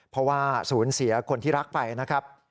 เพราะว่าสูญเสียคนที่รักไปนะครับ